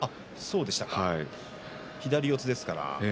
左四つですからね。